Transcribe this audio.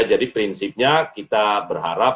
jadi prinsipnya kita berharap